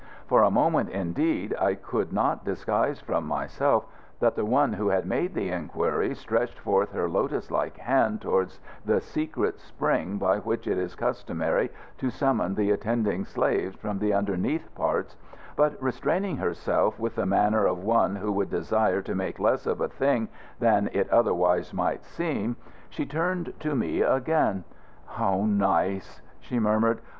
For a moment, indeed, I could not disguise from myself that the one who had made the inquiry stretched forth her lotus like hand towards the secret spring by which it is customary to summon the attending slaves from the underneath parts, but restraining herself with the manner of one who would desire to make less of a thing that it otherwise might seem, she turned to me again. "How nice!" she murmured.